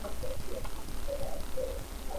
It is the fourth game in the Punch-Out!!